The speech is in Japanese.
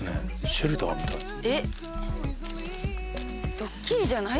シェルターみたいえっ？